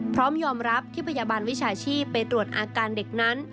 พร้อมยอมรับที่พยาบาลวิชาชีพไปตรวจอาการเด็กนั้น